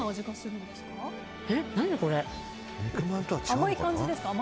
甘い感じですか？